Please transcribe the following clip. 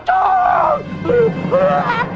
ampun di rumah